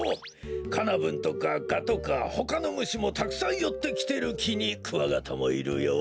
カナブンとかガとかほかのむしもたくさんよってきてるきにクワガタもいるよ。